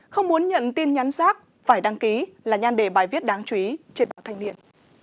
không muốn nhận tin nhắn rác phải đăng ký là nhan đề bài viết đáng chú ý trên báo thanh niên